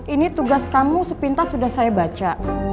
ini tugas kamu sepintas sudah saya baca